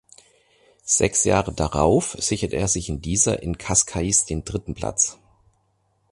Sechs Jahre darauf sicherte er sich in dieser in Cascais den dritten Platz.